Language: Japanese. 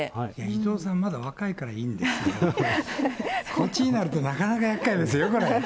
伊藤さん、まだ若いからいいんですけど、こっちになるとなかなかやっかいですよ、これ。